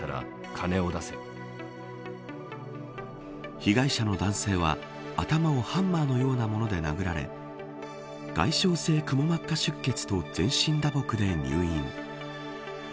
被害者の男性は頭をハンマーのようなもので殴られ外傷性くも膜下出血と全身打撲で入院。